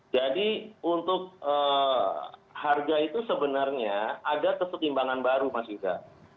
jadi untuk harga itu sebenarnya ada kesetimbangan baru mas yuda